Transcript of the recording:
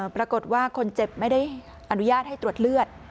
ปรากฏว่าคนเจ็บไม่ได้อนุญาตให้ตรวจเลือด